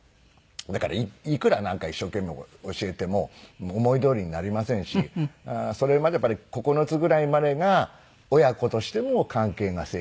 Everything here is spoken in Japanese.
だからいくら一生懸命教えても思いどおりになりませんしそれまでやっぱり９つぐらいまでが親子としても関係が成立する。